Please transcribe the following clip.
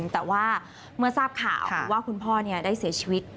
แต่ว่าเมื่อทราบข่าวว่าคุณพ่อได้เสียชีวิต